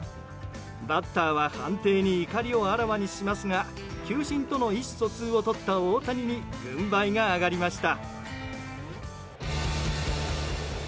バッターは判定に怒りをあらわにしますが球審との意思疎通をとった大谷に軍配が上がりました。